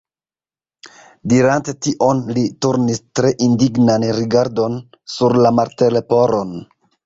Dirante tion li turnis tre indignan rigardon sur la Martleporon.